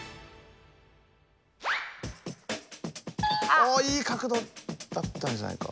おおいい角度だったんじゃないか？